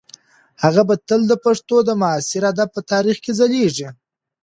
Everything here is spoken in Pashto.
هغه به تل د پښتو د معاصر ادب په تاریخ کې ځلیږي.